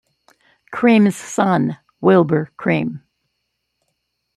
Cream's son, Wilbur Cream.